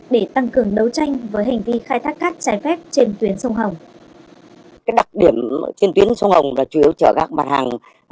để tăng cường đấu tranh với hành vi khai thác cát trái phép trên tuyến sông hồng